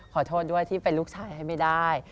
ขอโทษด้วยที่เป็นลูกชายให้ไม่ได้